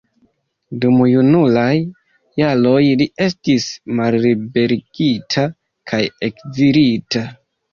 Dum junulaj jaroj li estis malliberigita kaj ekzilita.